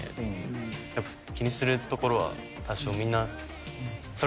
気にするところは多少みんな。